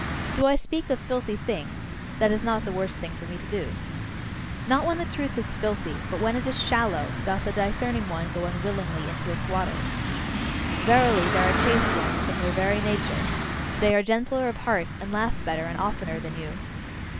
Do I speak of filthy things? That is not the worst thing for me to do. Not when the truth is filthy, but when it is shallow, doth the discerning one go unwillingly into its waters. Verily, there are chaste ones from their very nature; they are gentler of heart, and laugh better and oftener than you.